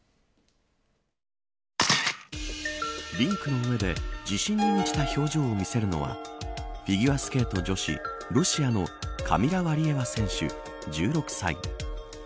リンクの上で自信に満ちた表情を見せるのはフィギュアスケート女子ロシアのカミラ・ワリエワ選手１６歳。